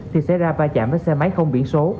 thì xảy ra va chạm với xe máy không biển số